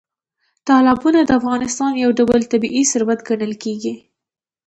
تالابونه د افغانستان یو ډول طبیعي ثروت ګڼل کېږي.